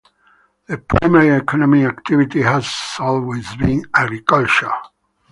The primary economic activity has always been agriculture.